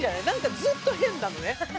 何かずっと変なのね。